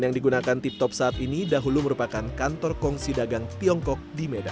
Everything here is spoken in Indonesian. yang digunakan tiptop saat ini dahulu merupakan kantor kongsidagang tiongkokoli di jepang adalah